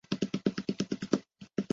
现在有了房子